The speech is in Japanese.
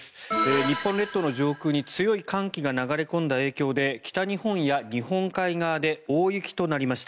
日本列島の上空に強い寒気が流れ込んだ影響で北日本や日本海側で大雪となりました。